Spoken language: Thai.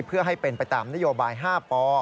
เพื่อให้เป็นไปตามนโยบาย๕ป